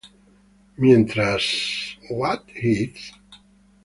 Mientras "What Hits!?